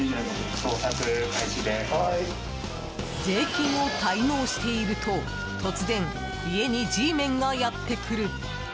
税金を滞納していると突然、家にＧメンがやってくる。